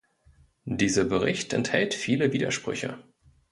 Dieser Bericht enthält viele Widersprüche.